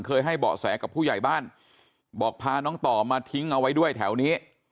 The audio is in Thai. ให้เบาะแสกับผู้ใหญ่บ้านบอกพาน้องต่อมาทิ้งเอาไว้ด้วยแถวนี้